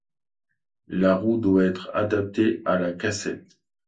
La roue doit être adaptée à la cassette.